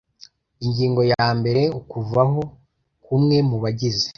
Ingingo ya mbere Ukuvaho kw umwe mu bagize